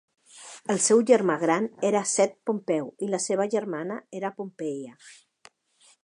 El seu germà gran era Sext Pompeu i la seva germana era Pompeia.